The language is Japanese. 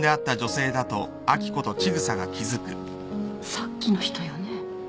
さっきの人よね？